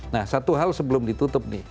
nah satu hal sebelum ditutup nih